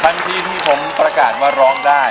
ทันทีที่ผมประกาศมาร้องได้